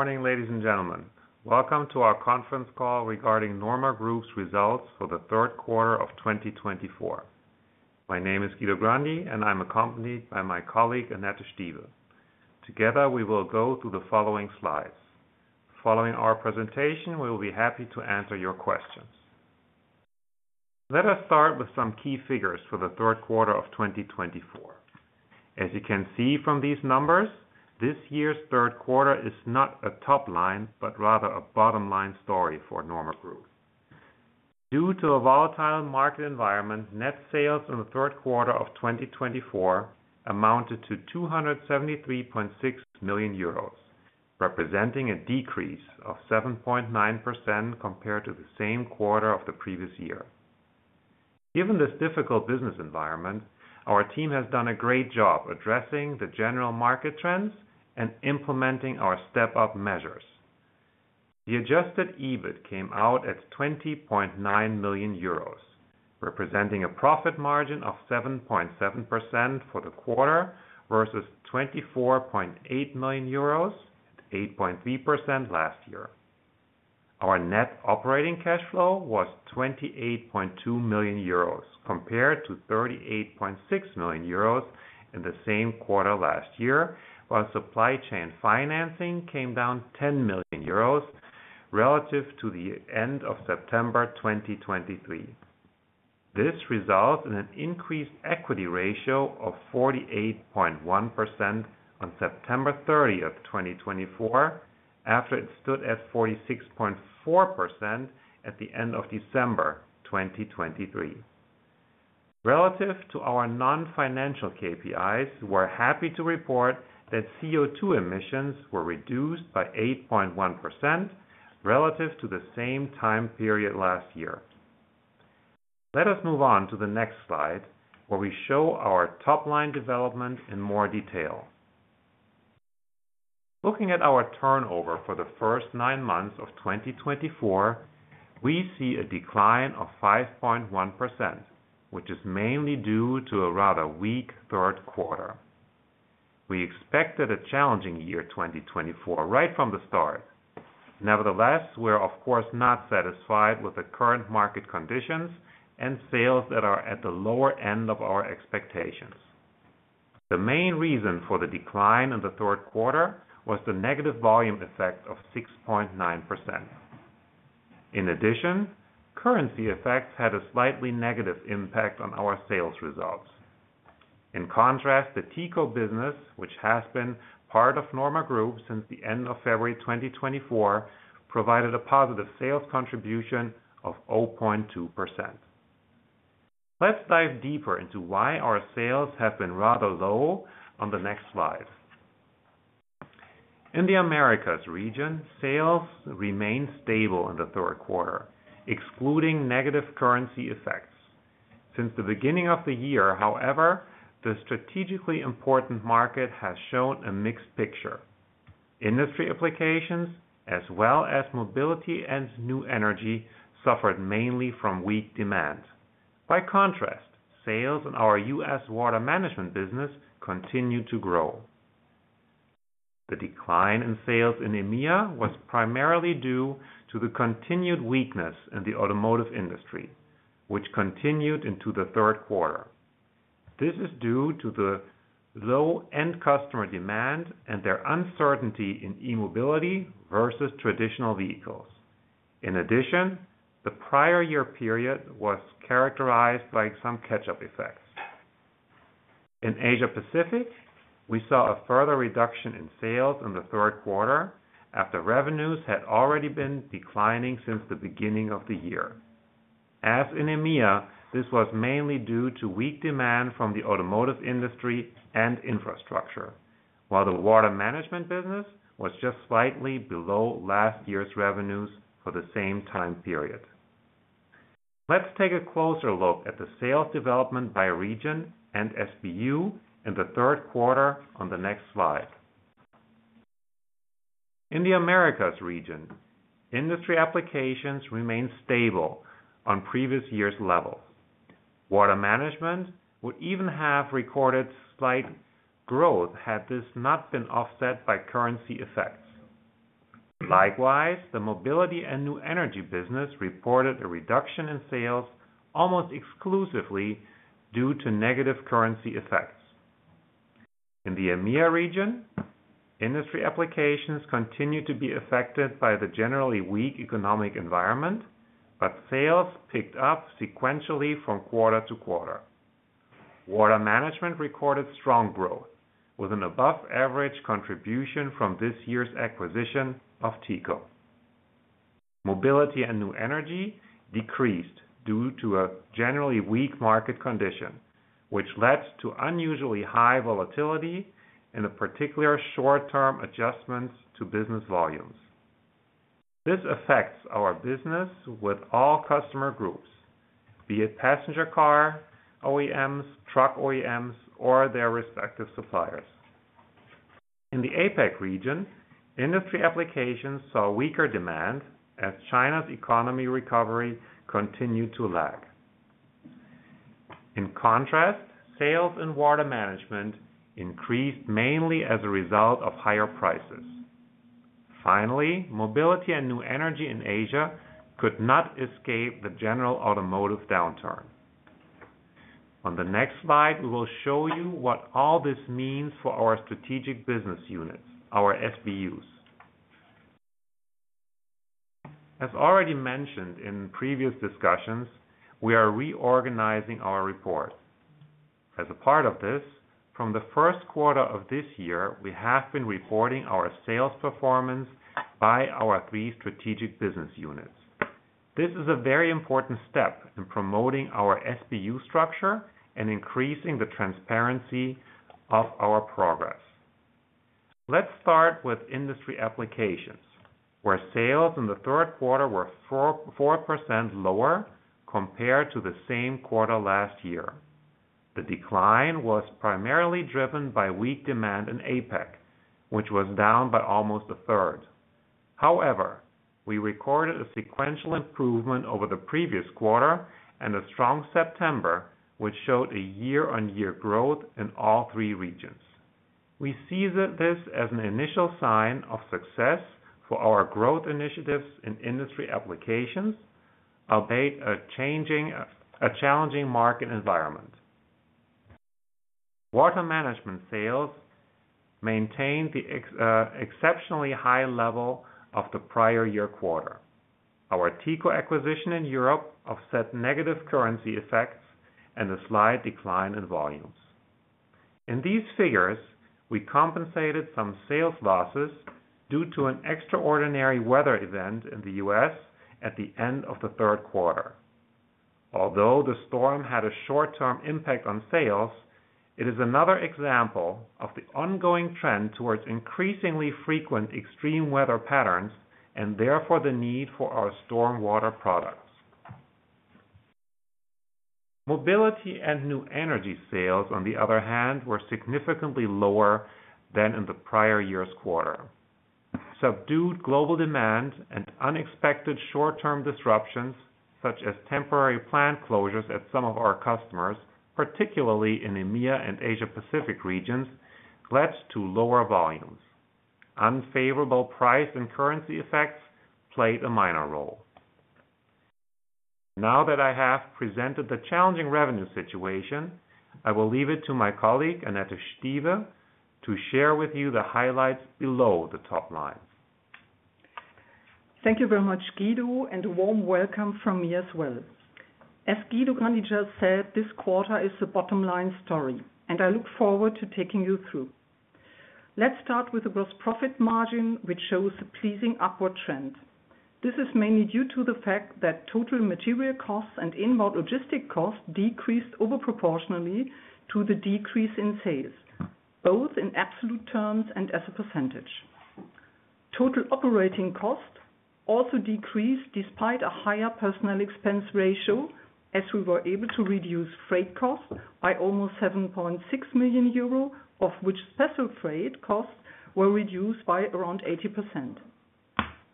Morning, ladies and gentlemen. Welcome to our conference call regarding Norma Group's results for the third quarter of 2024. My name is Guido Grandi, and I'm accompanied by my colleague, Annette Stieve. Together, we will go through the following slides. Following our presentation, we will be happy to answer your questions. Let us start with some key figures for the third quarter of 2024. As you can see from these numbers, this year's third quarter is not a top line, but rather a bottom line story for Norma Group. Due to a volatile market environment, net sales in the third quarter of 2024 amounted to 273.6 million euros, representing a decrease of 7.9% compared to the same quarter of the previous year. Given this difficult business environment, our team has done a great job addressing the general market trends and implementing our Step-up measures. The Adjusted EBIT came out at 20.9 million euros, representing a profit margin of 7.7% for the quarter versus 24.8 million euros at 8.3% last year. Our net operating cash flow was 28.2 million euros compared to 38.6 million euros in the same quarter last year, while supply chain financing came down 10 million euros relative to the end of September 2023. This resulted in an increased equity ratio of 48.1% on September 30th, 2024, after it stood at 46.4% at the end of December 2023. Relative to our non-financial KPIs, we're happy to report that CO2 emissions were reduced by 8.1% relative to the same time period last year. Let us move on to the next slide, where we show our top line development in more detail. Looking at our turnover for the first nine months of 2024, we see a decline of 5.1%, which is mainly due to a rather weak third quarter. We expected a challenging year 2024 right from the start. Nevertheless, we're, of course, not satisfied with the current market conditions and sales that are at the lower end of our expectations. The main reason for the decline in the third quarter was the negative volume effect of 6.9%. In addition, currency effects had a slightly negative impact on our sales results. In contrast, the Teco business, which has been part of Norma Group since the end of February 2024, provided a positive sales contribution of 0.2%. Let's dive deeper into why our sales have been rather low on the next slide. In the Americas region, sales remained stable in the third quarter, excluding negative currency effects. Since the beginning of the year, however, the strategically important market has shown a mixed picture. Industry Applications, as well as Mobility and New Energy, suffered mainly from weak demand. By contrast, sales in our U.S. water management business continued to grow. The decline in sales in EMEA was primarily due to the continued weakness in the automotive industry, which continued into the third quarter. This is due to the low end customer demand and their uncertainty in e-mobility versus traditional vehicles. In addition, the prior year period was characterized by some catch-up effects. In Asia Pacific, we saw a further reduction in sales in the third quarter after revenues had already been declining since the beginning of the year. As in EMEA, this was mainly due to weak demand from the automotive industry and infrastructure, while the water management business was just slightly below last year's revenues for the same time period. Let's take a closer look at the sales development by region and SBU in the third quarter on the next slide. In the Americas region, industry applications remained stable on previous year's levels. Water management would even have recorded slight growth had this not been offset by currency effects. Likewise, the mobility and new energy business reported a reduction in sales almost exclusively due to negative currency effects. In the EMEA region, industry applications continued to be affected by the generally weak economic environment, but sales picked up sequentially from quarter to quarter. Water management recorded strong growth, with an above-average contribution from this year's acquisition of Teco. Mobility and new energy decreased due to a generally weak market condition, which led to unusually high volatility in the particular short-term adjustments to business volumes. This affects our business with all customer groups, be it passenger car, OEMs, truck OEMs, or their respective suppliers. In the APAC region, industry applications saw weaker demand as China's economic recovery continued to lag. In contrast, sales in Water Management increased mainly as a result of higher prices. Finally, Mobility and New Energy in Asia could not escape the general automotive downturn. On the next slide, we will show you what all this means for our strategic business units, our SBUs. As already mentioned in previous discussions, we are reorganizing our report. As a part of this, from the first quarter of this year, we have been reporting our sales performance by our three strategic business units. This is a very important step in promoting our SBU structure and increasing the transparency of our progress. Let's start with Industry Applications, where sales in the third quarter were 4% lower compared to the same quarter last year. The decline was primarily driven by weak demand in APAC, which was down by almost a third. However, we recorded a sequential improvement over the previous quarter and a strong September, which showed a year-on-year growth in all three regions. We see this as an initial sign of success for our growth initiatives in industry applications amid a challenging market environment. Water management sales maintained the exceptionally high level of the prior year quarter. Our Teco acquisition in Europe offset negative currency effects and the slight decline in volumes. In these figures, we compensated some sales losses due to an extraordinary weather event in the U.S. at the end of the third quarter. Although the storm had a short-term impact on sales, it is another example of the ongoing trend towards increasingly frequent extreme weather patterns and therefore the need for our stormwater products. Mobility and new energy sales, on the other hand, were significantly lower than in the prior year's quarter. Subdued global demand and unexpected short-term disruptions, such as temporary plant closures at some of our customers, particularly in EMEA and Asia Pacific regions, led to lower volumes. Unfavorable price and currency effects played a minor role. Now that I have presented the challenging revenue situation, I will leave it to my colleague, Annette Stieve, to share with you the highlights below the top line. Thank you very much, Guido, and a warm welcome from me as well. As Guido Grandi just said, this quarter is the bottom line story, and I look forward to taking you through. Let's start with the gross profit margin, which shows a pleasing upward trend. This is mainly due to the fact that total material costs and inbound logistics costs decreased overproportionally to the decrease in sales, both in absolute terms and as a percentage. Total operating costs also decreased despite a higher personnel expense ratio, as we were able to reduce freight costs by almost 7.6 million euro, of which special freight costs were reduced by around 80%.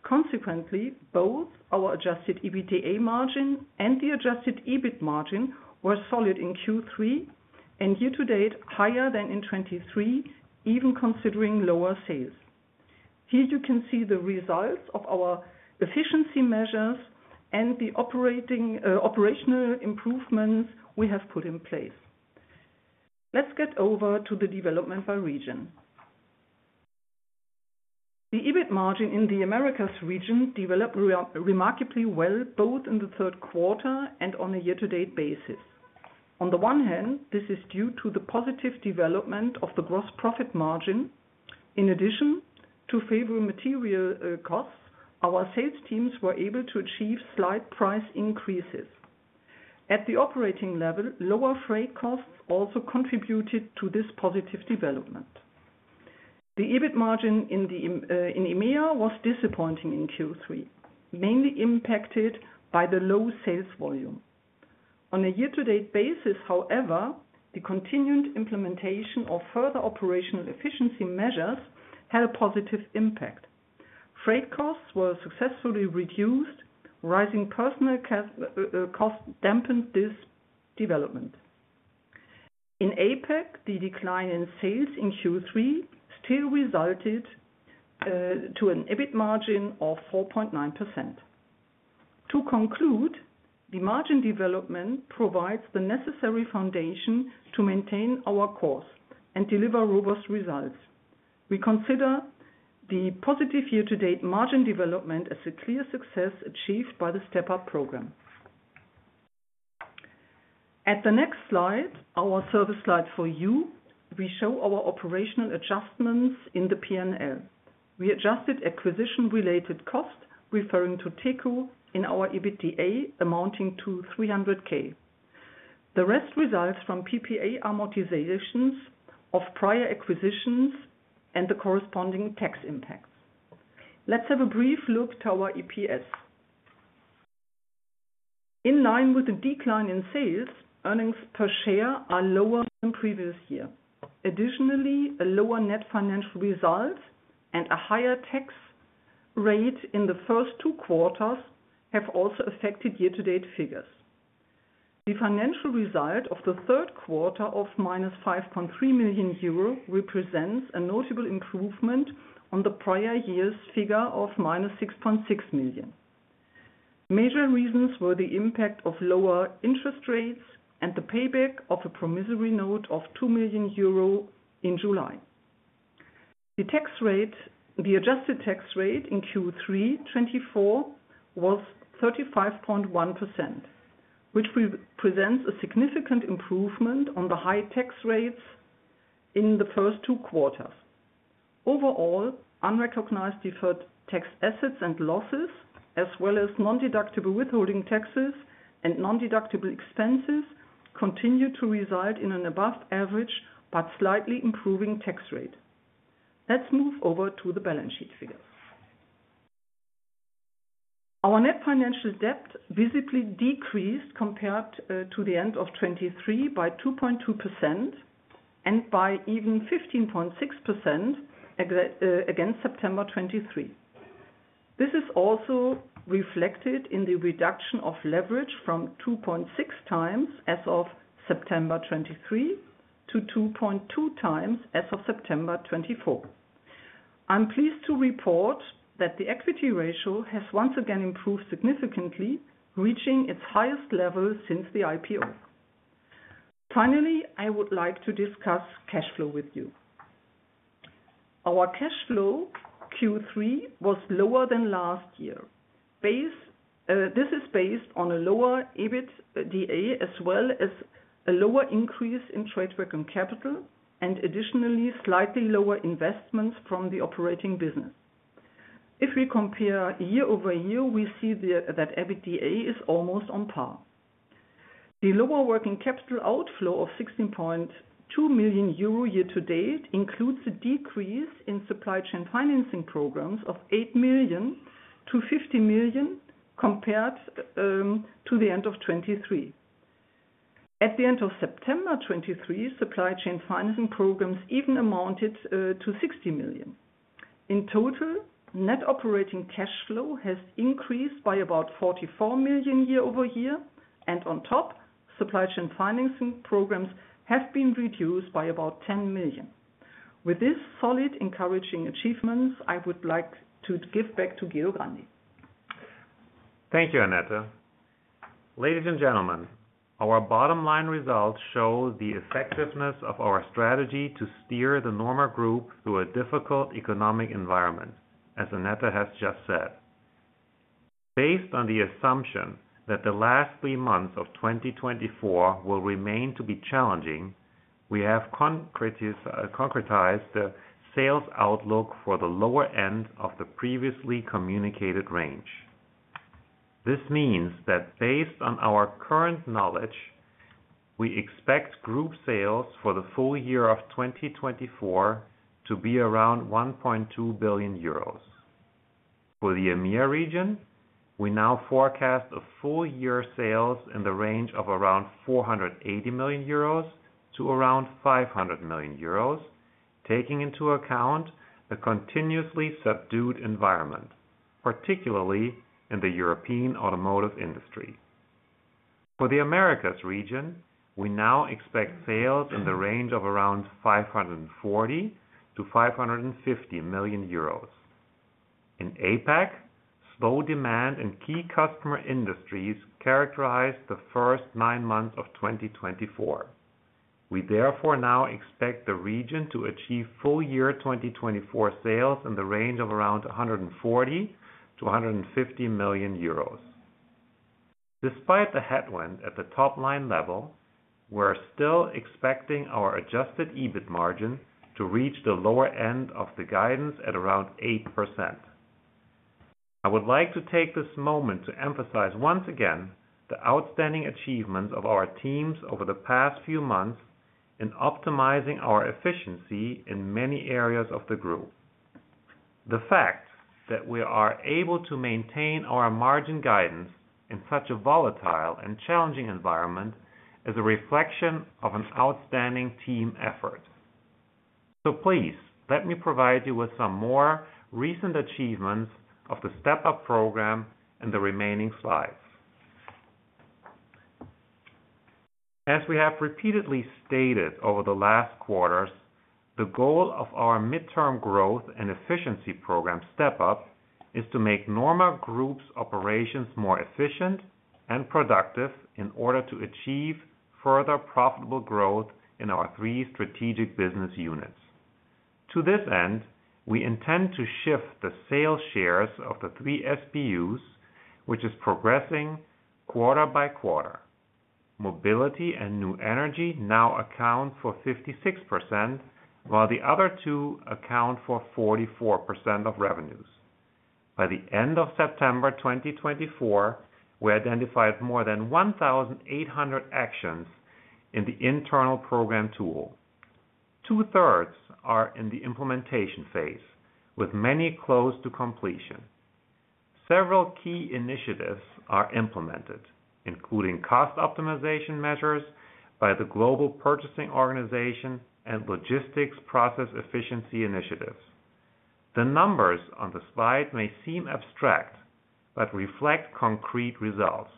Consequently, both our Adjusted EBITDA margin and the Adjusted EBIT margin were solid in Q3 and year-to-date higher than in 2023, even considering lower sales. Here you can see the results of our efficiency measures and the operational improvements we have put in place. Let's get over to the development by region. The EBIT margin in the Americas region developed remarkably well, both in the third quarter and on a year-to-date basis. On the one hand, this is due to the positive development of the gross profit margin. In addition to favorable material costs, our sales teams were able to achieve slight price increases. At the operating level, lower freight costs also contributed to this positive development. The EBIT margin in EMEA was disappointing in Q3, mainly impacted by the low sales volume. On a year-to-date basis, however, the continued implementation of further operational efficiency measures had a positive impact. Freight costs were successfully reduced, rising personnel costs dampened this development. In APAC, the decline in sales in Q3 still resulted in an EBIT margin of 4.9%. To conclude, the margin development provides the necessary foundation to maintain our course and deliver robust results. We consider the positive year-to-date margin development as a clear success achieved by the step-up program. At the next slide, our service slide for you, we show our operational adjustments in the P&L. We adjusted acquisition-related costs, referring to Teco, in our EBITDA, amounting to 300, 000. The rest results from PPA amortizations of prior acquisitions and the corresponding tax impacts. Let's have a brief look to our EPS. In line with the decline in sales, earnings per share are lower than previous year. Additionally, a lower net financial result and a higher tax rate in the first two quarters have also affected year-to-date figures. The financial result of the third quarter of -5.3 million euro represents a notable improvement on the prior year's figure of -6.6 million. Major reasons were the impact of lower interest rates and the payback of a promissory note of 2 million euro in July. The tax rate, the adjusted tax rate in Q3 2024, was 35.1%, which presents a significant improvement on the high tax rates in the first two quarters. Overall, unrecognized deferred tax assets and losses, as well as non-deductible withholding taxes and non-deductible expenses, continue to result in an above-average but slightly improving tax rate. Let's move over to the balance sheet figures. Our net financial debt visibly decreased compared to the end of 2023 by 2.2% and by even 15.6% against September 2023. This is also reflected in the reduction of leverage from 2.6x as of September 2023 to 2.2x as of September 2024. I'm pleased to report that the equity ratio has once again improved significantly, reaching its highest level since the IPO. Finally, I would like to discuss cash flow with you. Our cash flow Q3 was lower than last year. This is based on a lower EBITDA as well as a lower increase in trade working capital and additionally slightly lower investments from the operating business. If we compare year-over-year, we see that EBITDA is almost on par. The lower working capital outflow of 16.2 million euro year-to-date includes a decrease in supply chain financing programs of 8 million-50 million compared to the end of 2023. At the end of September 2023, supply chain financing programs even amounted to 60 million. In total, net operating cash flow has increased by about 44 million year-over-year, and on top, supply chain financing programs have been reduced by about 10 million. With these solid, encouraging achievements, I would like to give back to Guido Grandi. Thank you, Annette. Ladies and gentlemen, our bottom line results show the effectiveness of our strategy to steer the Norma Group through a difficult economic environment, as Annette has just said. Based on the assumption that the last three months of 2024 will remain to be challenging, we have concretized the sales outlook for the lower end of the previously communicated range. This means that based on our current knowledge, we expect group sales for the full year of 2024 to be around 1.2 billion euros. For the EMEA region, we now forecast a full year sales in the range of around 480 million-500 million euros, taking into account a continuously subdued environment, particularly in the European automotive industry. For the Americas region, we now expect sales in the range of around 540 million-550 million euros. In APAC, slow demand in key customer industries characterized the first nine months of 2024. We therefore now expect the region to achieve full year 2024 sales in the range of around 140 million euros- 150 million euros. Despite the headwind at the top line level, we're still expecting our Adjusted EBIT margin to reach the lower end of the guidance at around 8%. I would like to take this moment to emphasize once again the outstanding achievements of our teams over the past few months in optimizing our efficiency in many areas of the group. The fact that we are able to maintain our margin guidance in such a volatile and challenging environment is a reflection of an outstanding team effort. So please, let me provide you with some more recent achievements of the Step-up program in the remaining slides. As we have repeatedly stated over the last quarters, the goal of our midterm growth and efficiency program Step-up is to make Norma Group's operations more efficient and productive in order to achieve further profitable growth in our three strategic business units. To this end, we intend to shift the sales shares of the three SBUs, which is progressing quarter by quarter. Mobility and New Energy now account for 56%, while the other two account for 44% of revenues. By the end of September 2024, we identified more than 1,800 actions in the internal program tool. Two-thirds are in the implementation phase, with many close to completion. Several key initiatives are implemented, including cost optimization measures by the Global Purchasing Organization and logistics process efficiency initiatives. The numbers on the slide may seem abstract but reflect concrete results.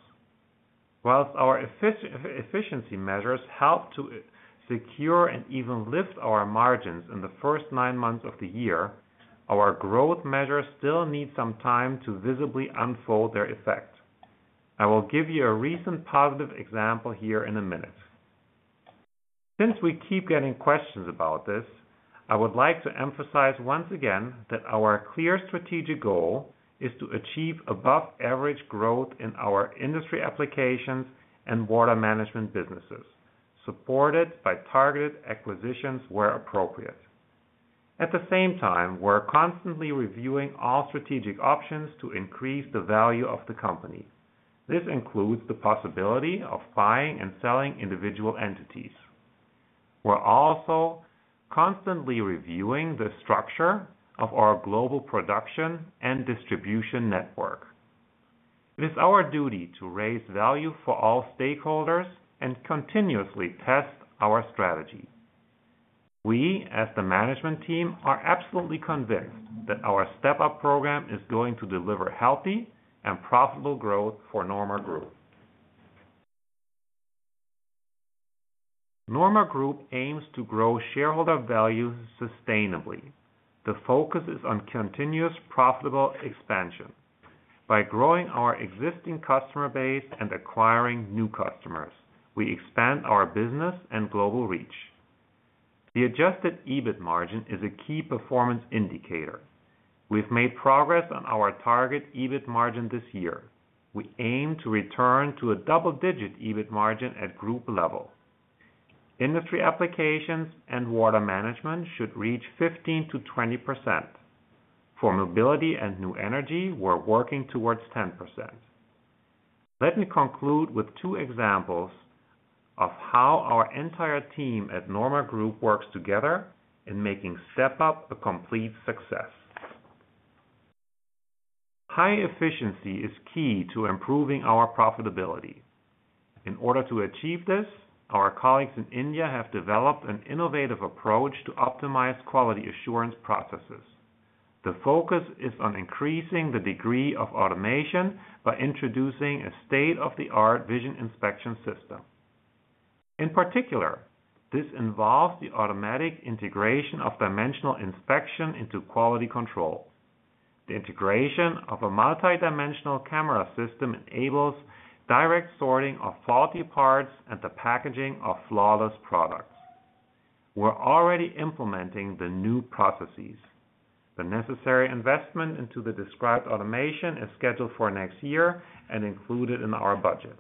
While our efficiency measures help to secure and even lift our margins in the first nine months of the year, our growth measures still need some time to visibly unfold their effect. I will give you a recent positive example here in a minute. Since we keep getting questions about this, I would like to emphasize once again that our clear strategic goal is to achieve above-average growth in our industry applications and water management businesses, supported by targeted acquisitions where appropriate. At the same time, we're constantly reviewing all strategic options to increase the value of the company. This includes the possibility of buying and selling individual entities. We're also constantly reviewing the structure of our global production and distribution network. It is our duty to raise value for all stakeholders and continuously test our strategy. We, as the management team, are absolutely convinced that our Step-up program is going to deliver healthy and profitable growth for Norma Group. Norma Group aims to grow shareholder value sustainably. The focus is on continuous profitable expansion. By growing our existing customer base and acquiring new customers, we expand our business and global reach. The Adjusted EBIT margin is a key performance indicator. We've made progress on our target EBIT margin this year. We aim to return to a double-digit EBIT margin at group level. Industry Applications and Water Management should reach 15%-20%. For Mobility and New Energy, we're working towards 10%. Let me conclude with two examples of how our entire team at Norma Group works together in making Step-up a complete success. High efficiency is key to improving our profitability. In order to achieve this, our colleagues in India have developed an innovative approach to optimize quality assurance processes. The focus is on increasing the degree of automation by introducing a state-of-the-art vision inspection system. In particular, this involves the automatic integration of dimensional inspection into quality control. The integration of a multidimensional camera system enables direct sorting of faulty parts and the packaging of flawless products. We're already implementing the new processes. The necessary investment into the described automation is scheduled for next year and included in our budget.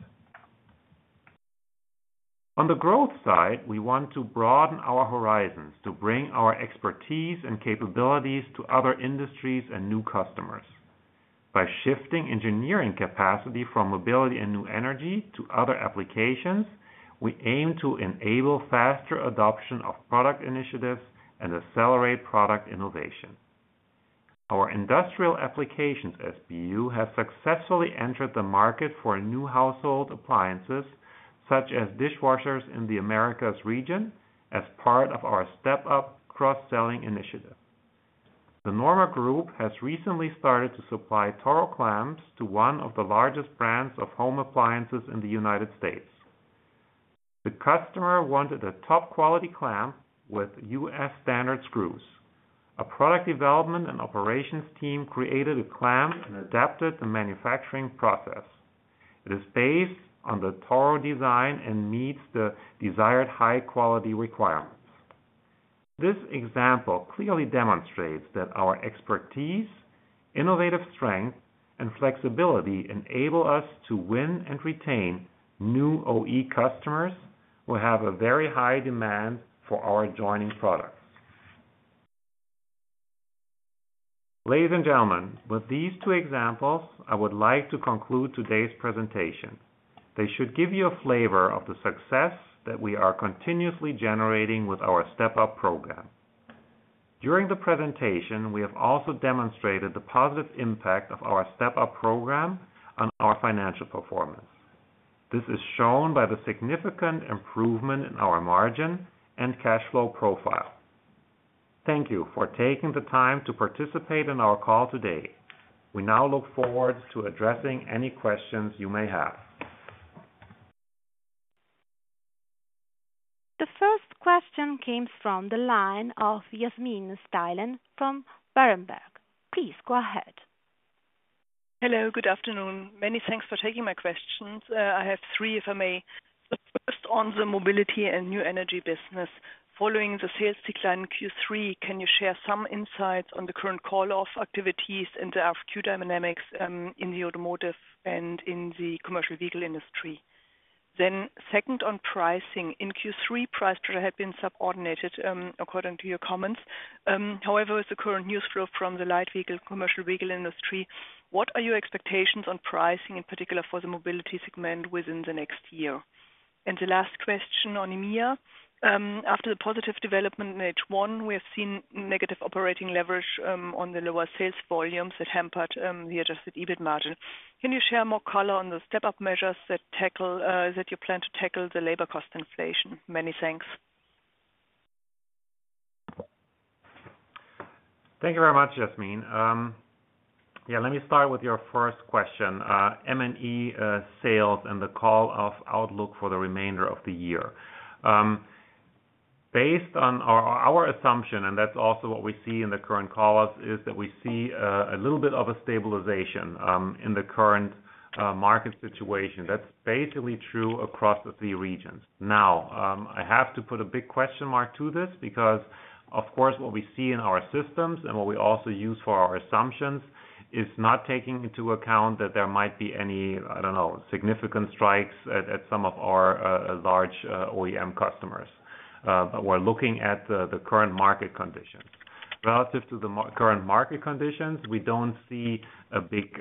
On the growth side, we want to broaden our horizons to bring our expertise and capabilities to other industries and new customers. By shifting engineering capacity from mobility and new energy to other applications, we aim to enable faster adoption of product initiatives and accelerate product innovation. Our Industry Applications SBU has successfully entered the market for new household appliances, such as dishwashers in the Americas region, as part of our Step-up cross-selling initiative. Norma Group has recently started to supply TORRO clamps to one of the largest brands of home appliances in the United States. The customer wanted a top-quality clamp with U.S. standard screws. A product development and operations team created a clamp and adapted the manufacturing process. It is based on the TORRO design and meets the desired high-quality requirements. This example clearly demonstrates that our expertise, innovative strength, and flexibility enable us to win and retain new OE customers who have a very high demand for our joining products. Ladies and gentlemen, with these two examples, I would like to conclude today's presentation. They should give you a flavor of the success that we are continuously generating with our Step-up program. During the presentation, we have also demonstrated the positive impact of our Step-up program on our financial performance. This is shown by the significant improvement in our margin and cash flow profile. Thank you for taking the time to participate in our call today. We now look forward to addressing any questions you may have. The first question came from the line of Yasmin Steilen from Berenberg. Please go ahead. Hello, good afternoon. Many thanks for taking my questions. I have three, if I may. The first on the mobility and new energy business. Following the sales decline in Q3, can you share some insights on the current call-off activities in the RFQ dynamics in the automotive and in the commercial vehicle industry? Then second on pricing. In Q3, price pressure had been subordinated, according to your comments. However, with the current news flow from the light vehicle and commercial vehicle industry, what are your expectations on pricing, in particular for the mobility segment within the next year? And the last question on EMEA. After the positive development in H1, we have seen negative operating leverage on the lower sales volumes that hampered the Adjusted EBIT margin. Can you share more color on the Step-up measures that you plan to tackle the labor cost inflation? Many thanks. Thank you very much, Yasmin. Yeah, let me start with your first question, M&E sales and the call-off outlook for the remainder of the year. Based on our assumption, and that's also what we see in the current call-offs, is that we see a little bit of a stabilization in the current market situation. That's basically true across the three regions. Now, I have to put a big question mark to this because, of course, what we see in our systems and what we also use for our assumptions is not taking into account that there might be any, I don't know, significant strikes at some of our large OEM customers. We're looking at the current market conditions. Relative to the current market conditions, we don't see a big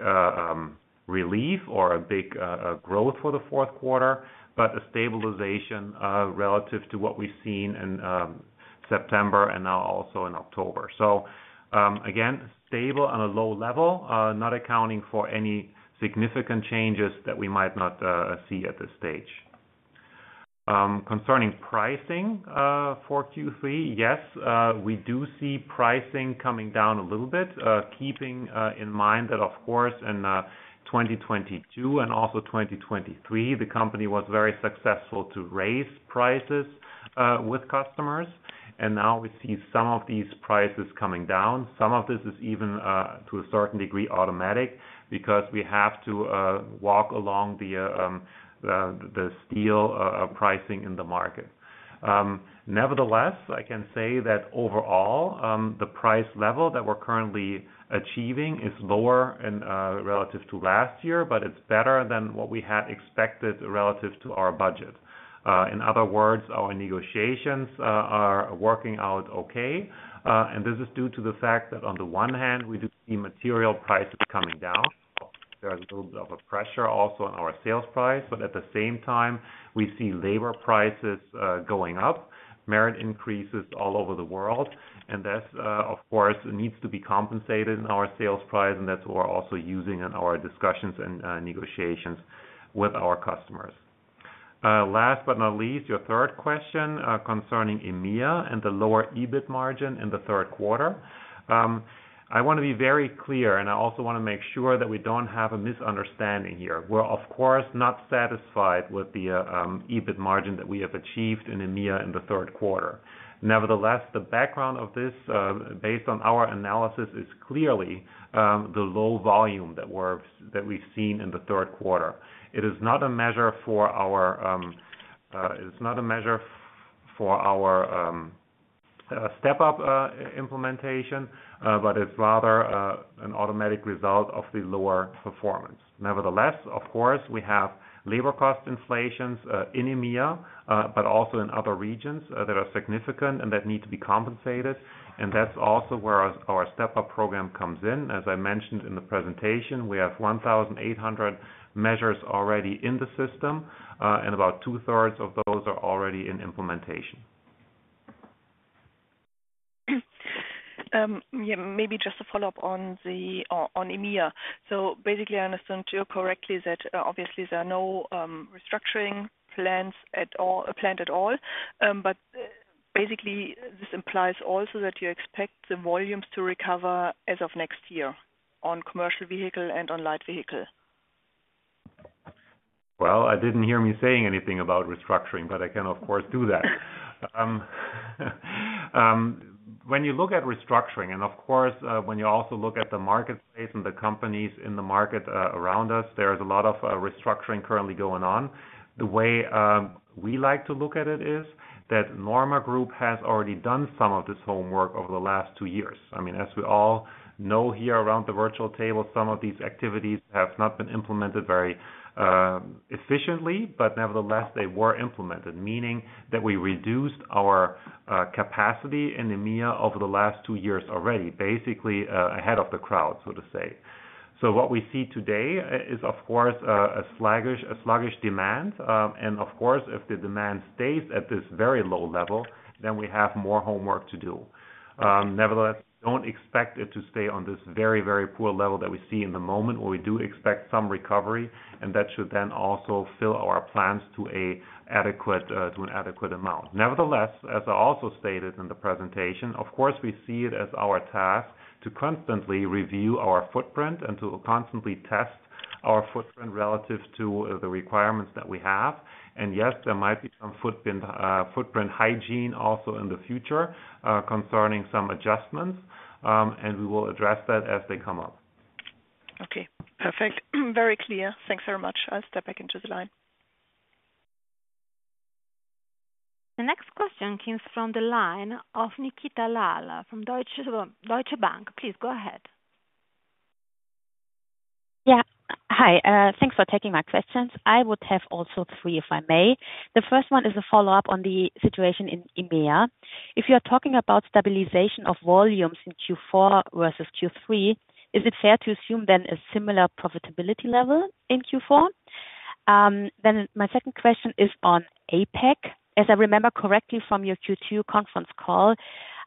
relief or a big growth for the fourth quarter, but a stabilization relative to what we've seen in September and now also in October. So again, stable on a low level, not accounting for any significant changes that we might not see at this stage. Concerning pricing for Q3, yes, we do see pricing coming down a little bit, keeping in mind that, of course, in 2022 and also 2023, the company was very successful to raise prices with customers. And now we see some of these prices coming down. Some of this is even, to a certain degree, automatic because we have to walk along the steel pricing in the market. Nevertheless, I can say that overall, the price level that we're currently achieving is lower relative to last year, but it's better than what we had expected relative to our budget. In other words, our negotiations are working out okay. And this is due to the fact that, on the one hand, we do see material prices coming down. There is a little bit of a pressure also on our sales price, but at the same time, we see labor prices going up, merit increases all over the world. And that, of course, needs to be compensated in our sales price, and that's what we're also using in our discussions and negotiations with our customers. Last but not least, your third question concerning EMEA and the lower EBIT margin in the third quarter. I want to be very clear, and I also want to make sure that we don't have a misunderstanding here. We're, of course, not satisfied with the EBIT margin that we have achieved in EMEA in the third quarter. Nevertheless, the background of this, based on our analysis, is clearly the low volume that we've seen in the third quarter. It is not a measure for our Step-up implementation, but it's rather an automatic result of the lower performance. Nevertheless, of course, we have labor cost inflations in EMEA, but also in other regions that are significant and that need to be compensated. And that's also where our Step-up program comes in. As I mentioned in the presentation, we have 1,800 measures already in the system, and about two-thirds of those are already in implementation. Yeah, maybe just a follow-up on EMEA. So basically, I understand you correctly that obviously there are no restructuring plans at all, but basically, this implies also that you expect the volumes to recover as of next year on commercial vehicle and on light vehicle. I didn't hear me saying anything about restructuring, but I can, of course, do that. When you look at restructuring, and of course, when you also look at the marketplace and the companies in the market around us, there is a lot of restructuring currently going on. The way we like to look at it is that Norma Group has already done some of this homework over the last two years. I mean, as we all know here around the virtual table, some of these activities have not been implemented very efficiently, but nevertheless, they were implemented, meaning that we reduced our capacity in EMEA over the last two years already, basically ahead of the crowd, so to say. So what we see today is, of course, a sluggish demand. And of course, if the demand stays at this very low level, then we have more homework to do. Nevertheless, don't expect it to stay on this very, very poor level that we see in the moment, where we do expect some recovery, and that should then also fill our plans to an adequate amount. Nevertheless, as I also stated in the presentation, of course, we see it as our task to constantly review our footprint and to constantly test our footprint relative to the requirements that we have, and yes, there might be some footprint hygiene also in the future concerning some adjustments, and we will address that as they come up. Okay, perfect. Very clear. Thanks very much. I'll step back into the line. The next question comes from the line of Nikita Lal from Deutsche Bank. Please go ahead. Yeah, hi. Thanks for taking my questions. I would have also three, if I may. The first one is a follow-up on the situation in EMEA. If you are talking about stabilization of volumes in Q4 versus Q3, is it fair to assume then a similar profitability level in Q4? Then my second question is on APAC. As I remember correctly from your Q2 conference call,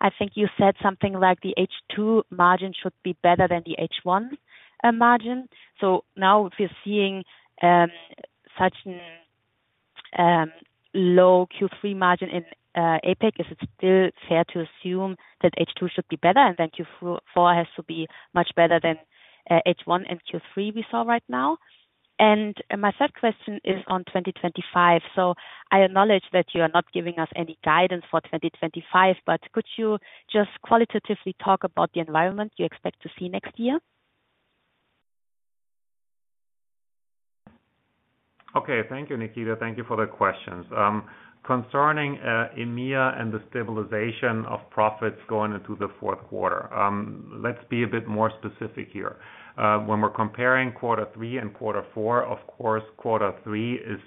I think you said something like the H2 margin should be better than the H1 margin. So now, if you're seeing such a low Q3 margin in APAC, is it still fair to assume that H2 should be better and then Q4 has to be much better than H1 and Q3 we saw right now? And my third question is on 2025. So I acknowledge that you are not giving us any guidance for 2025, but could you just qualitatively talk about the environment you expect to see next year? Okay, thank you, Nikita. Thank you for the questions. Concerning EMEA and the stabilization of profits going into the fourth quarter, let's be a bit more specific here. When we're comparing quarter three and quarter four, of course, quarter three is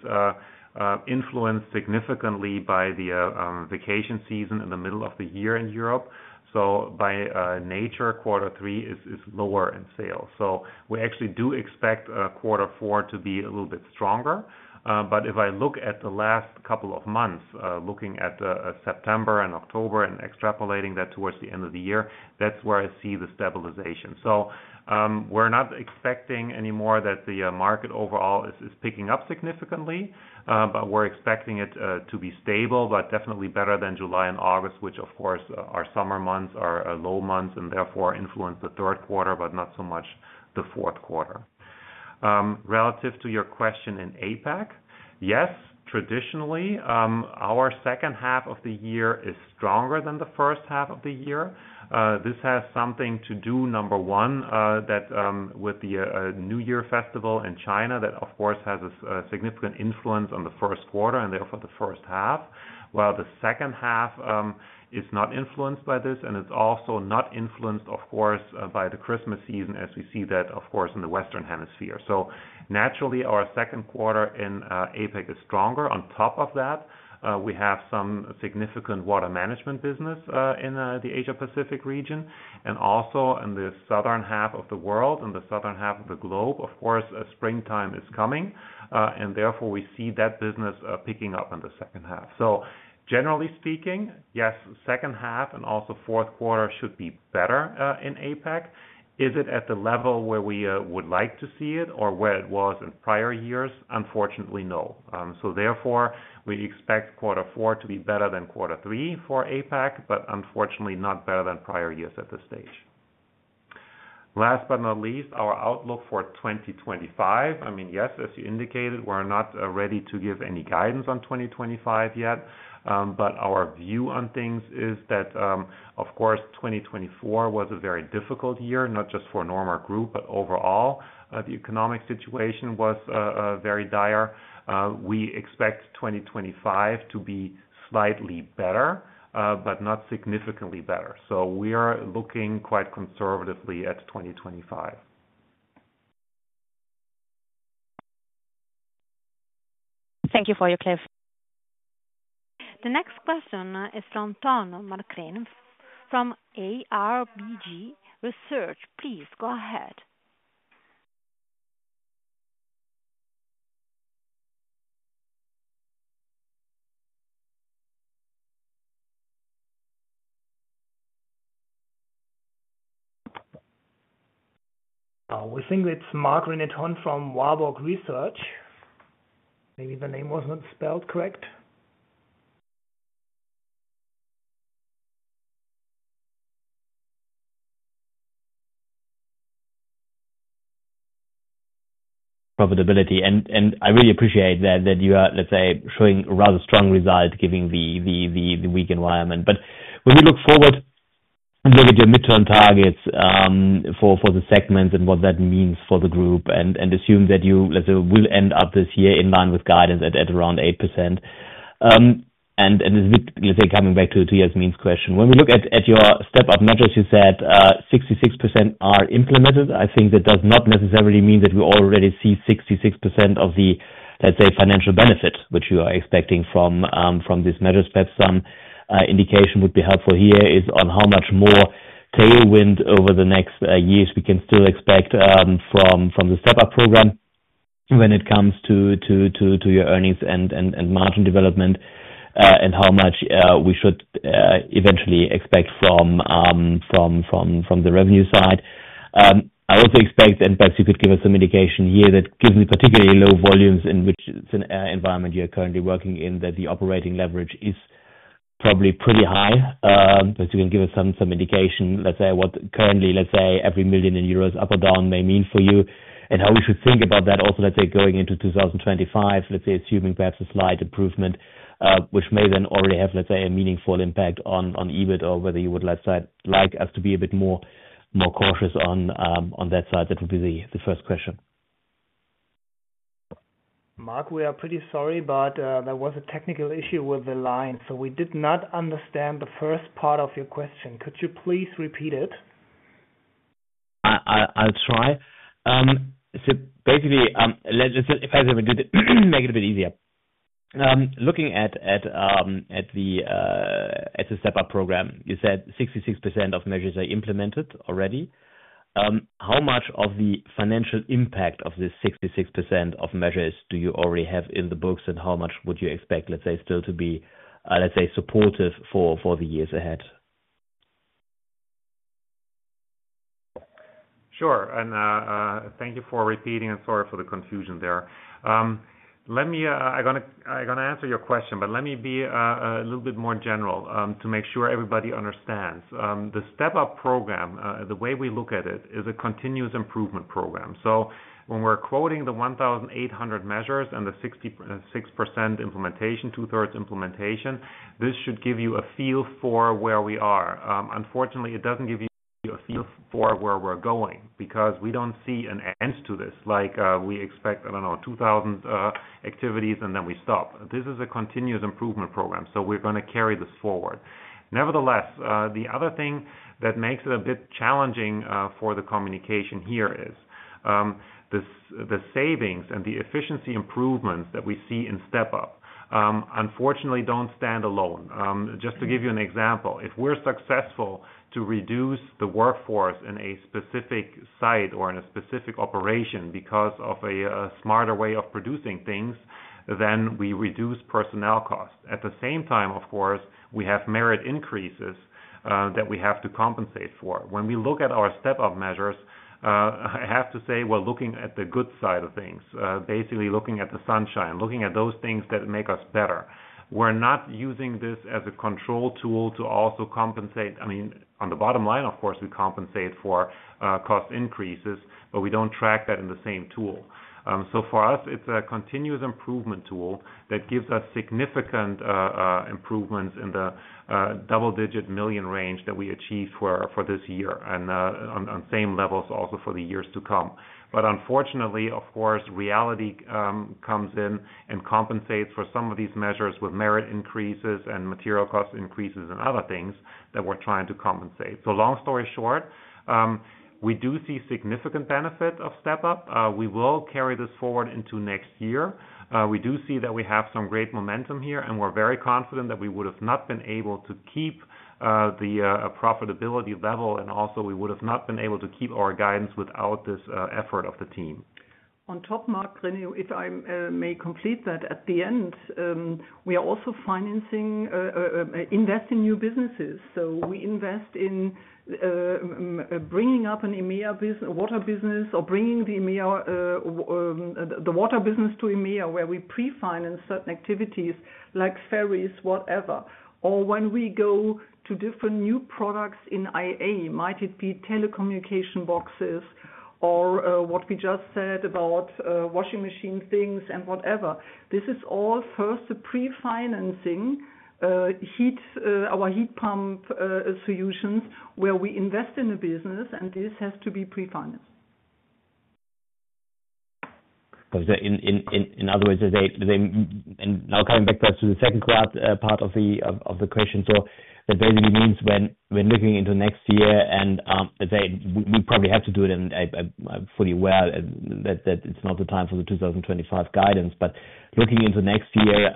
influenced significantly by the vacation season in the middle of the year in Europe. So by nature, quarter three is lower in sales. So we actually do expect quarter four to be a little bit stronger. But if I look at the last couple of months, looking at September and October and extrapolating that towards the end of the year, that's where I see the stabilization. We're not expecting anymore that the market overall is picking up significantly, but we're expecting it to be stable, but definitely better than July and August, which, of course, our summer months are low months and therefore influence the third quarter, but not so much the fourth quarter. Relative to your question in APAC, yes, traditionally, our second half of the year is stronger than the first half of the year. This has something to do, number one, with the New Year festival in China that, of course, has a significant influence on the first quarter and therefore the first half. While the second half is not influenced by this, and it's also not influenced, of course, by the Christmas season as we see that, of course, in the Western Hemisphere. Naturally, our second quarter in APAC is stronger. On top of that, we have some significant water management business in the Asia-Pacific region and also in the southern half of the world, in the southern half of the globe. Of course, springtime is coming, and therefore we see that business picking up in the second half. So generally speaking, yes, second half and also fourth quarter should be better in APAC. Is it at the level where we would like to see it or where it was in prior years? Unfortunately, no. So therefore, we expect quarter four to be better than quarter three for APAC, but unfortunately, not better than prior years at this stage. Last but not least, our outlook for 2025, I mean, yes, as you indicated, we're not ready to give any guidance on 2025 yet, but our view on things is that, of course, 2024 was a very difficult year, not just for Norma Group, but overall, the economic situation was very dire. We expect 2025 to be slightly better, but not significantly better. So we are looking quite conservatively at 2025. Thank you for your clear answer. The next question is from Tonn Marc-René from Warburg Research. Please go ahead. We think it's Marc-René Tonn from Warburg Research. Maybe the name wasn't spelled correct. Profitability. And I really appreciate that you are, let's say, showing a rather strong result given the weak environment. But when we look forward and look at your midterm targets for the segments and what that means for the group, and assume that you will end up this year in line with guidance at around 8%. And coming back to Yasmin's question, when we look at your Step-up measures, you said 66% are implemented. I think that does not necessarily mean that we already see 66% of the, let's say, financial benefit, which you are expecting from these measures. Perhaps some indication would be helpful here is on how much more tailwind over the next years we can still expect from the Step-up program when it comes to your earnings and margin development and how much we should eventually expect from the revenue side. I also expect, and perhaps you could give us some indication here that given the particularly low volumes in which environment you're currently working in, that the operating leverage is probably pretty high. Perhaps you can give us some indication, let's say, what currently, let's say, every 1 million euros up or down may mean for you and how we should think about that also, let's say, going into 2025, let's say, assuming perhaps a slight improvement, which may then already have, let's say, a meaningful impact on EBIT or whether you would like us to be a bit more cautious on that side. That would be the first question. Mark, we are pretty sorry, but there was a technical issue with the line, so we did not understand the first part of your question. Could you please repeat it? I'll try. So basically, let's just, if I have to make it a bit easier, looking at the Step-up program, you said 66% of measures are implemented already. How much of the financial impact of this 66% of measures do you already have in the books, and how much would you expect, let's say, still to be, let's say, supportive for the years ahead? Sure. And thank you for repeating, and sorry for the confusion there. I'm going to answer your question, but let me be a little bit more general to make sure everybody understands. The Step-up program, the way we look at it, is a continuous improvement program. So when we're quoting the 1,800 measures and the 66% implementation, two-thirds implementation, this should give you a feel for where we are. Unfortunately, it doesn't give you a feel for where we're going because we don't see an end to this like we expect, I don't know, 2,000 activities and then we stop. This is a continuous improvement program, so we're going to carry this forward. Nevertheless, the other thing that makes it a bit challenging for the communication here is the savings and the efficiency improvements that we see in Step-up, unfortunately, don't stand alone. Just to give you an example, if we're successful to reduce the workforce in a specific site or in a specific operation because of a smarter way of producing things, then we reduce personnel costs. At the same time, of course, we have merit increases that we have to compensate for. When we look at our Step-up measures, I have to say, we're looking at the good side of things, basically looking at the sunshine, looking at those things that make us better. We're not using this as a control tool to also compensate. I mean, on the bottom line, of course, we compensate for cost increases, but we don't track that in the same tool. So for us, it's a continuous improvement tool that gives us significant improvements in the double-digit million range that we achieved for this year and on same levels also for the years to come. But unfortunately, of course, reality comes in and compensates for some of these measures with merit increases and material cost increases and other things that we're trying to compensate. So long story short, we do see significant benefit of Step-up. We will carry this forward into next year. We do see that we have some great momentum here, and we're very confident that we would have not been able to keep the profitability level, and also we would have not been able to keep our guidance without this effort of the team. On top, Mark, if I may complete that at the end, we are also investing in new businesses, so we invest in bringing up an EMEA water business or bringing the water business to EMEA, where we pre-finance certain activities like ferries, whatever, or when we go to different new products in IA, might it be telecommunication boxes or what we just said about washing machine things and whatever. This is all first the pre-financing heat pump solutions where we invest in a business, and this has to be pre-financed. In other words, and now coming back to the second part of the question, so that basically means when we're looking into next year and, let's say, we probably have to do it, and I'm fully aware that it's not the time for the 2025 guidance, but looking into next year,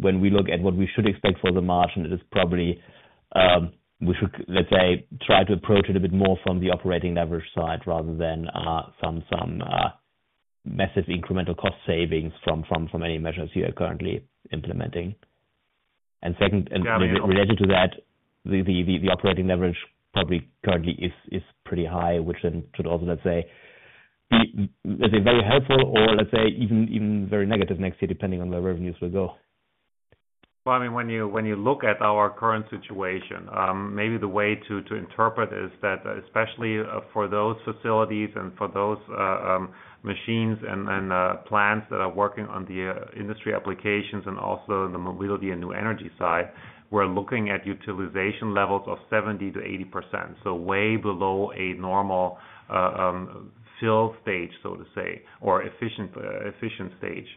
when we look at what we should expect for the margin, it is probably we should, let's say, try to approach it a bit more from the operating leverage side rather than some massive incremental cost savings from any measures you are currently implementing. And second, related to that, the operating leverage probably currently is pretty high, which then should also, let's say, be very helpful or, let's say, even very negative next year depending on where revenues will go. I mean, when you look at our current situation, maybe the way to interpret is that especially for those facilities and for those machines and plants that are working on the industry applications and also in the mobility and new energy side, we're looking at utilization levels of 70%-80%. Way below a normal fill stage, so to say, or efficient stage.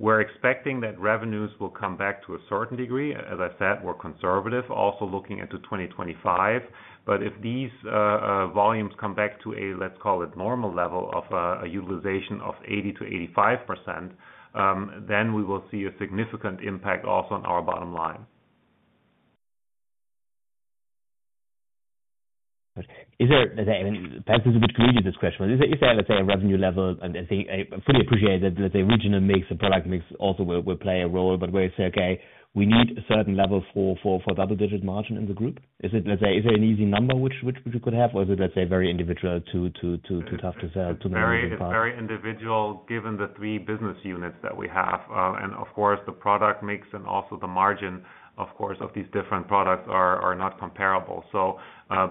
We're expecting that revenues will come back to a certain degree. As I said, we're conservative, also looking into 2025. If these volumes come back to a, let's call it, normal level of utilization of 80%-85%, then we will see a significant impact also on our bottom line. Perhaps this is a bit confusing, this question. Is there, let's say, a revenue level? I fully appreciate that, let's say, regional mix and product mix also will play a role, but where you say, okay, we need a certain level for the double-digit margin in the group. Is there an easy number which we could have, or is it, let's say, very individual, too tough to sell to many different parts? It is very individual given the three business units that we have, and of course, the product mix and also the margin, of course, of these different products are not comparable,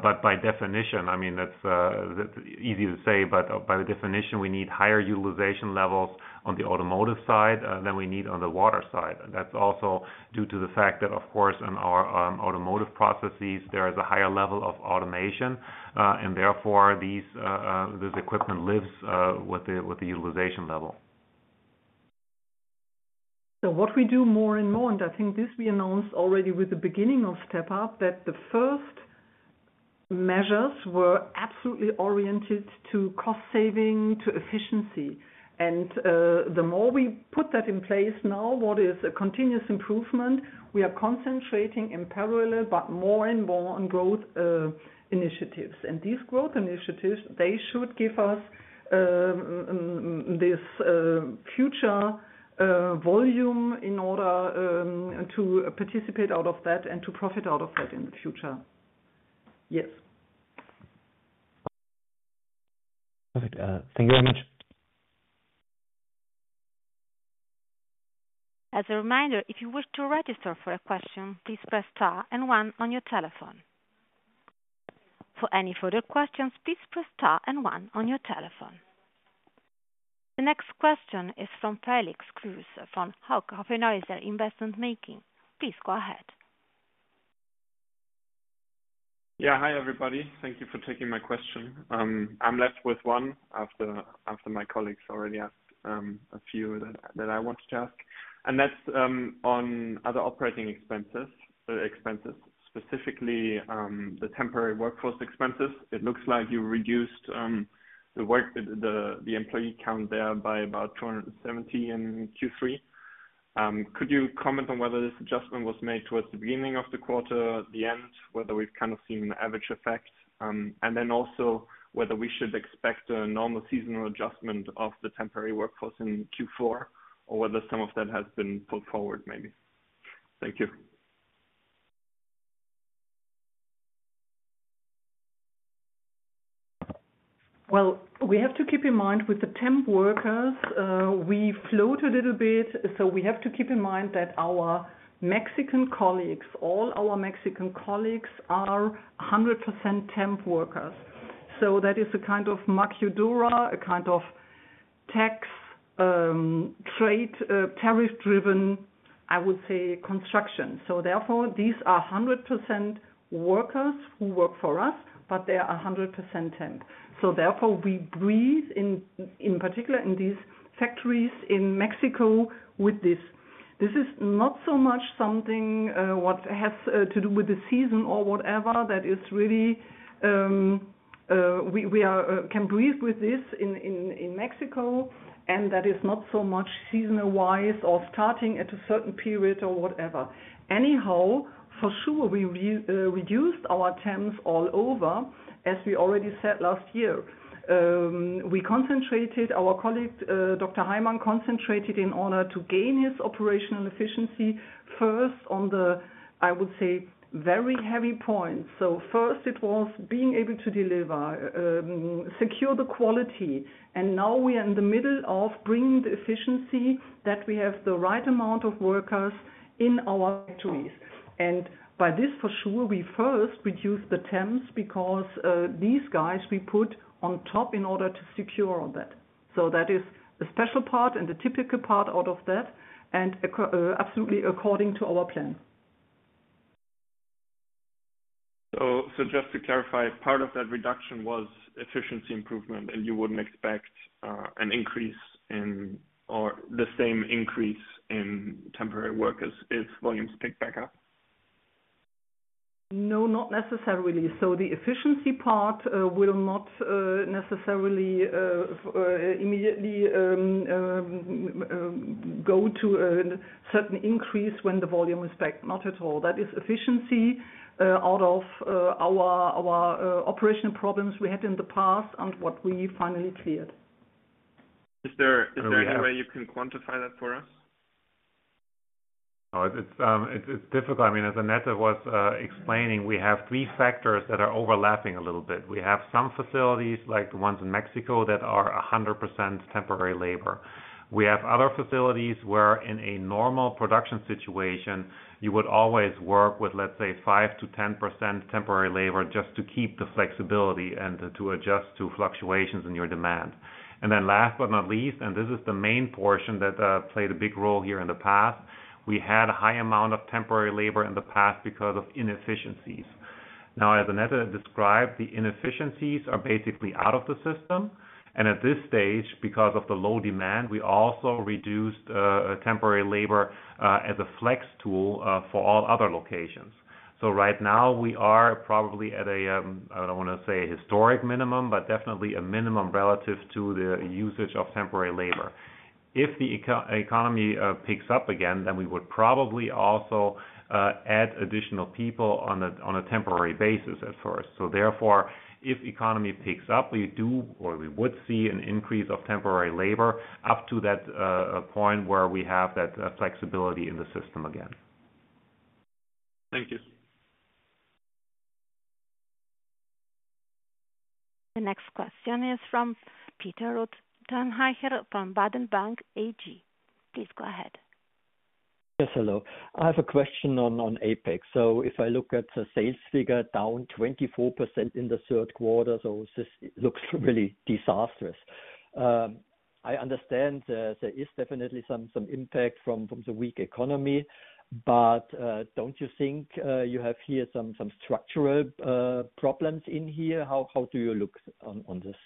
but by definition, I mean, it's easy to say, but by definition, we need higher utilization levels on the automotive side than we need on the water side, and that's also due to the fact that, of course, in our automotive processes, there is a higher level of automation, and therefore this equipment lives with the utilization level. So what we do more and more, and I think this we announced already with the beginning of Step-up, that the first measures were absolutely oriented to cost saving, to efficiency. And the more we put that in place now, what is a continuous improvement, we are concentrating in parallel, but more and more on growth initiatives. And these growth initiatives, they should give us this future volume in order to participate out of that and to profit out of that in the future. Yes. Perfect. Thank you very much. As a reminder, if you wish to register for a question, please press star and one on your telephone. For any further questions, please press star and one on your telephone. The next question is from Felix Flüs from Hauck Aufhäuser Investment Banking. Please go ahead. Yeah. Hi, everybody. Thank you for taking my question. I'm left with one after my colleagues already asked a few that I wanted to ask. And that's on other operating expenses, specifically the temporary workforce expenses. It looks like you reduced the employee count there by about 270 in Q3. Could you comment on whether this adjustment was made towards the beginning of the quarter, the end, whether we've kind of seen an average effect, and then also whether we should expect a normal seasonal adjustment of the temporary workforce in Q4, or whether some of that has been put forward maybe? Thank you. We have to keep in mind with the temp workers, we float a little bit. We have to keep in mind that all our Mexican colleagues are 100% temp workers. That is a kind of maquiladora, a kind of tax, trade, tariff-driven, I would say, construction. Therefore, these are 100% workers who work for us, but they are 100% temp. Therefore, we breathe, in particular in these factories in Mexico with this. This is not so much something what has to do with the season or whatever. That is really we can breathe with this in Mexico, and that is not so much seasonal-wise or starting at a certain period or whatever. Anyhow, for sure, we reduced our temps all over, as we already said last year. We concentrated our colleague, Dr. Heymann concentrated in order to gain his operational efficiency first on the, I would say, very heavy points. So first, it was being able to deliver, secure the quality. And now we are in the middle of bringing the efficiency that we have the right amount of workers in our factories. And by this, for sure, we first reduced the temps because these guys we put on top in order to secure that. So that is a special part and a typical part out of that, and absolutely according to our plan. So just to clarify, part of that reduction was efficiency improvement, and you wouldn't expect an increase in or the same increase in temporary workers if volumes pick back up? No, not necessarily. So the efficiency part will not necessarily immediately go to a certain increase when the volume is back. Not at all. That is efficiency out of our operational problems we had in the past and what we finally cleared. Is there any way you can quantify that for us? It's difficult. I mean, as Annette was explaining, we have three factors that are overlapping a little bit. We have some facilities, like the ones in Mexico, that are 100% temporary labor. We have other facilities where in a normal production situation, you would always work with, let's say, 5%-10% temporary labor just to keep the flexibility and to adjust to fluctuations in your demand. And then last but not least, and this is the main portion that played a big role here in the past, we had a high amount of temporary labor in the past because of inefficiencies. Now, as Annette described, the inefficiencies are basically out of the system. And at this stage, because of the low demand, we also reduced temporary labor as a flex tool for all other locations. So right now, we are probably at a. I don't want to say a historic minimum, but definitely a minimum relative to the usage of temporary labor. If the economy picks up again, then we would probably also add additional people on a temporary basis at first. So therefore, if the economy picks up, we do or we would see an increase of temporary labor up to that point where we have that flexibility in the system again. Thank you. The next question is from Peter Rothenaicher from Baader Bank AG. Please go ahead. Yes, hello. I have a question on APAC. So if I look at the sales figure, down 24% in the third quarter, so this looks really disastrous. I understand there is definitely some impact from the weak economy, but don't you think you have here some structural problems in here? How do you look on this?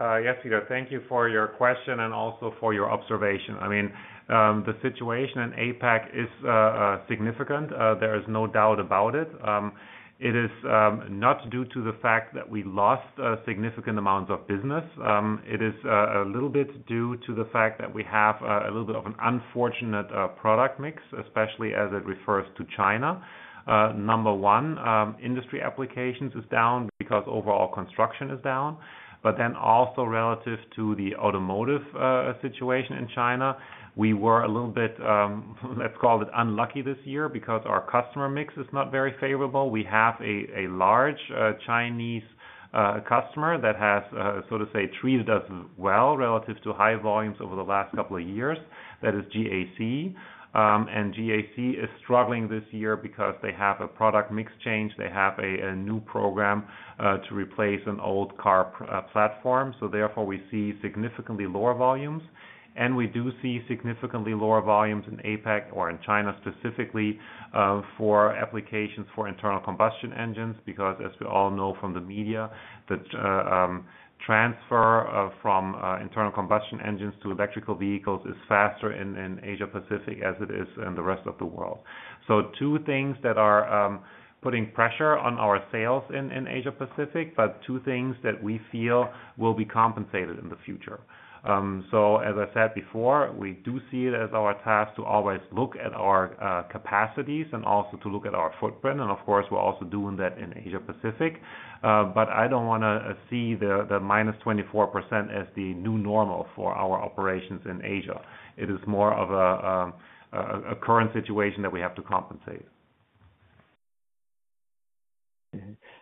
Yes, Peter, thank you for your question and also for your observation. I mean, the situation in APAC is significant. There is no doubt about it. It is not due to the fact that we lost significant amounts of business. It is a little bit due to the fact that we have a little bit of an unfortunate product mix, especially as it refers to China. Number one, industry applications is down because overall construction is down. But then also relative to the automotive situation in China, we were a little bit, let's call it unlucky this year because our customer mix is not very favorable. We have a large Chinese customer that has, so to say, treated us well relative to high volumes over the last couple of years. That is GAC. And GAC is struggling this year because they have a product mix change. They have a new program to replace an old car platform, so therefore, we see significantly lower volumes, and we do see significantly lower volumes in APAC or in China specifically for applications for internal combustion engines because, as we all know from the media, the transfer from internal combustion engines to electric vehicles is faster in Asia-Pacific as it is in the rest of the world, so two things that are putting pressure on our sales in Asia-Pacific, but two things that we feel will be compensated in the future, so as I said before, we do see it as our task to always look at our capacities and also to look at our footprint, and of course, we're also doing that in Asia-Pacific, but I don't want to see the -24% as the new normal for our operations in Asia. It is more of a current situation that we have to compensate.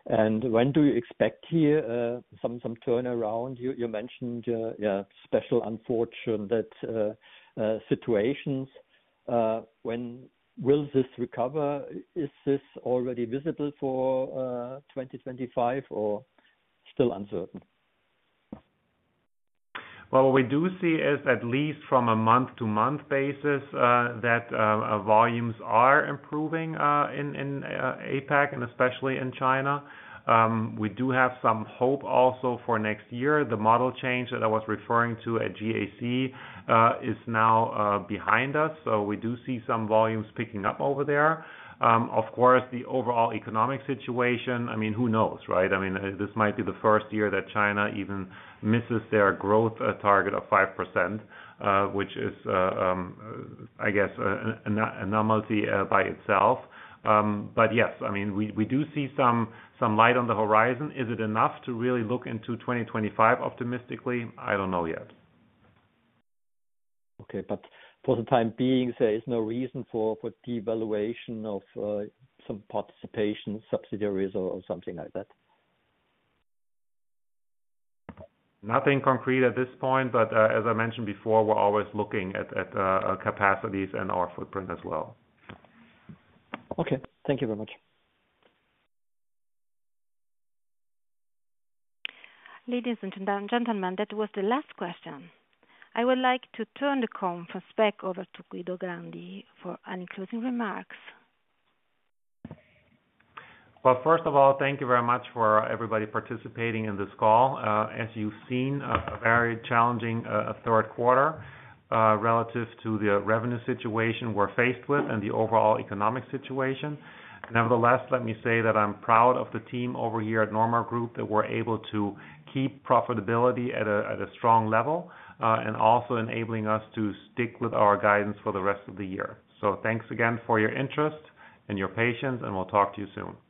When do you expect here some turnaround? You mentioned a special unfortunate situation. When will this recover? Is this already visible for 2025 or still uncertain? What we do see is at least from a month-to-month basis that volumes are improving in APAC and especially in China. We do have some hope also for next year. The model change that I was referring to at GAC is now behind us, so we do see some volumes picking up over there. Of course, the overall economic situation, I mean, who knows, right? I mean, this might be the first year that China even misses their growth target of 5%, which is, I guess, an anomaly by itself, but yes, I mean, we do see some light on the horizon. Is it enough to really look into 2025 optimistically? I don't know yet. Okay, but for the time being, there is no reason for devaluation of some participation, subsidiaries, or something like that. Nothing concrete at this point, but as I mentioned before, we're always looking at capacities and our footprint as well. Okay. Thank you very much. Ladies and gentlemen, that was the last question. I would like to turn the conference back over to Guido Grandi for closing remarks. First of all, thank you very much for everybody participating in this call. As you've seen, a very challenging third quarter relative to the revenue situation we're faced with and the overall economic situation. Nevertheless, let me say that I'm proud of the team over here at Norma Group that we're able to keep profitability at a strong level and also enabling us to stick with our guidance for the rest of the year. So thanks again for your interest and your patience, and we'll talk to you soon.